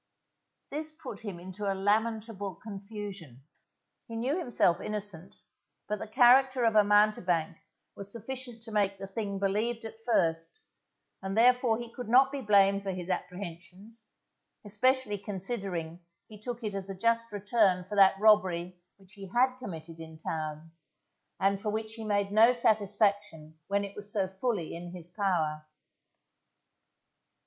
This put him into a lamentable confusion. He knew himself innocent, but the character of a mountebank was sufficient to make the thing believed at first, and therefore he could not be blamed for his apprehensions, especially considering he took it as a just return for that robbery which he had committed in town, and for which he made no satisfaction when it was so fully in his power.